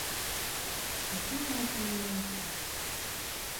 Пасунулася яна і тут.